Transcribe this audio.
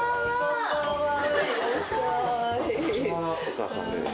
お母さんです。